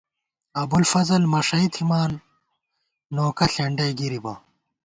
ابُوالفضل مݭَئ تھِمان، نوکہ ݪېنڈَئی گِرِبہ